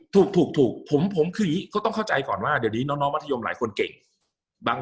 ถูกผมคืออย่างนี้ก็ต้องเข้าใจก่อนว่าเดี๋ยวนี้น้องมัธยมหลายคนเก่ง